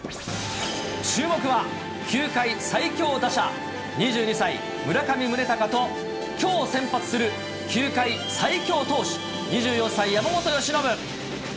注目は球界最強打者、２２歳、村上宗隆と、きょう先発する球界最強投手、２４歳、山本由伸。